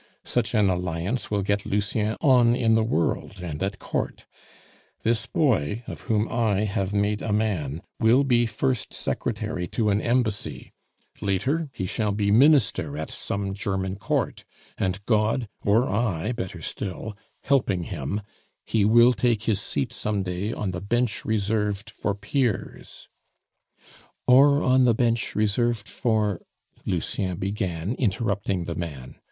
Such an alliance will get Lucien on in the world and at Court. This boy, of whom I have made a man, will be first Secretary to an Embassy; later, he shall be Minister at some German Court, and God, or I better still helping him, he will take his seat some day on the bench reserved for peers " "Or on the bench reserved for " Lucien began, interrupting the man.